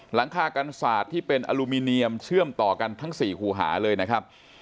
หลังคากันศาสตร์ที่เป็นอลูมิเนียมเชื่อมต่อกันทั้ง๔คู่หาเลยนะครับ